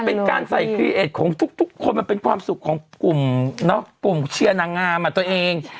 เป็นการใส่คลีเอสของทุกคนมันเป็นความสุขของกลุ่มเชียร์นางงามอ่ะตัวเอง